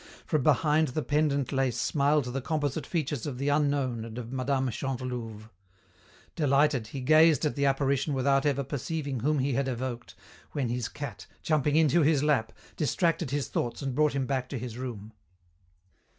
From behind the pendent lace smiled the composite features of the unknown and of Mme. Chantelouve. Delighted, he gazed at the apparition without ever perceiving whom he had evoked, when his cat, jumping into his lap, distracted his thoughts and brought him back to his room.